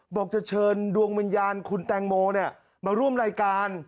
บอกจะเชิญดวงวิญญาณคุณแตงโมมาร่วมรายการ